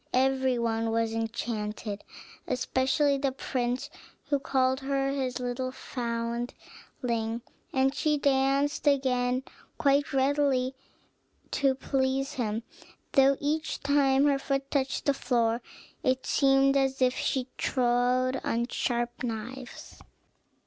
Every one was enchanted, especially the prince, who called her his little foundling; and she danced again quite readily, to please him, though each time her foot touched the floor it seemed as if she trod on sharp knives.